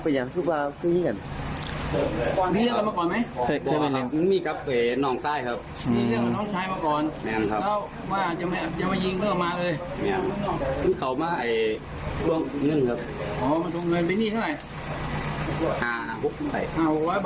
พี่ชายเรียกกับชนองชายมาก่อนเค้าจะวิ่งไปฝรั่งอย่างนั้นเขามาให้ทวงเงินครับ